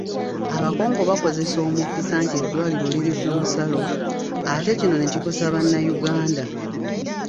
Abakongo bakozesa omukisa nti eddwaliro liri ku nsalo, ate kino ne kikosa Bannayuganda